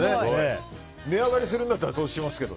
値上がりするんだったら投資しますけど。